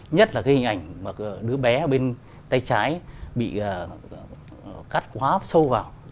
nhất là cái hình ảnh mà đứa bé bên tay trái bị cắt khóa sâu vào